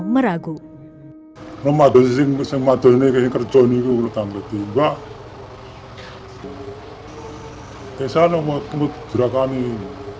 meragu rumah dosis yang semata ini kerjaan itu bertanggung jawab hai es alamu tumu gerakan ini